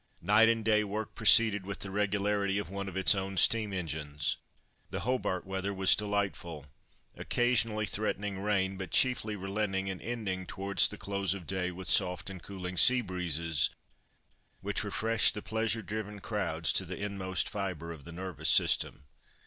Night and day, work proceeded with the regularity of one of its own steam engines. The Hobart weather was delightful—occasionally threatening rain but chiefly relenting, and ending towards the close of day with soft and cooling sea breezes, which refreshed the pleasure driven crowds to the inmost fibre of the nervous system.